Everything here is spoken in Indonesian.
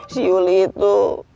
si yuli itu